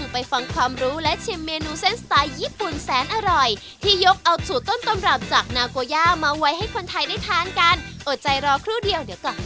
โปรดติดตามตอนต่อไป